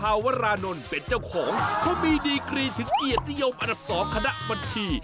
วรานนท์เป็นเจ้าของเขามีดีกรีถึงเกียรตินิยมอันดับ๒คณะบัญชี